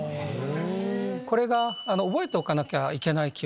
これが覚えておかなきゃいけない記憶。